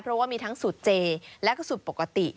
เพราะว่ามีทั้งสูตรเจแล้วก็สูตรปกติ